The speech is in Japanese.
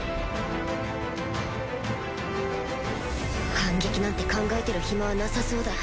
反撃なんて考えてる暇はなさそうだ